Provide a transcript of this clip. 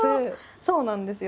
そうなんですよ。